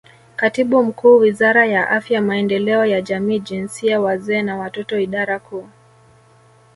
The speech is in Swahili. Katibu Mkuu Wizara ya Afya Maendeleo ya Jamii Jinsia Wazee na Watoto Idara Kuu